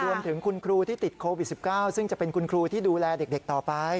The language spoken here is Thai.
รวมถึงคุณครูที่ติดโควิด๑๙ซึ่งจะเป็นคุณครูที่ดูแลเด็กต่อไป